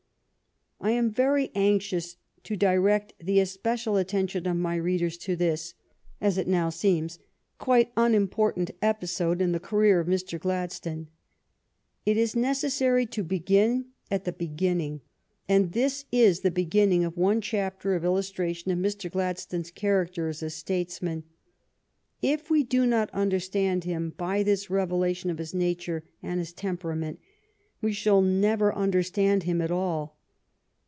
I am very anxious to direct the especial atten tion of my readers to this, as it now seems, quite unimportant episode in the career of Mr. Glad stone. It is necessary to begin at the beginning, and this is the beginning of one chapter of illus tration of Mr. Gladstone's character as a statesman. If we do not understand him by this revelation of his nature and his temperament, we shall never understand him at all.